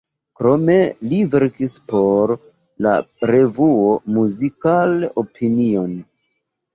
Krome li verkis por la revuo "Musical Opinion".